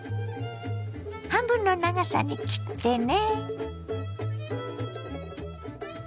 半分の長さに切ってね。